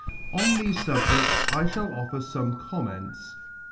On thefe fubjedts I fhall offer fome comments.